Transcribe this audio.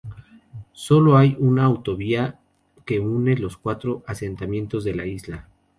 Sólo hay una autovía que une los cuatro asentamientos de la isla.